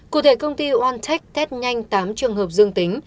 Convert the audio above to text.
cụ thể công ty oantech test nhanh tám trường hợp dương tính